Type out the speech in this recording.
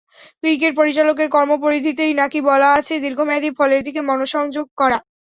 Cricket পরিচালকের কর্মপরিধিতেই নাকি বলা আছে, দীর্ঘমেয়াদি ফলের দিকে মনঃসংযোগ করা।